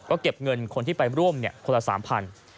ก็เก็บเงินคนที่ไปร่วมคนละ๓๐๐บาท